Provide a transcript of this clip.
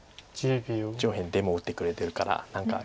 上辺出も打ってくれてるから何か。